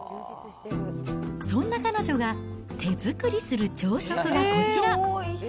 そんな彼女が手作りする朝食はこちら。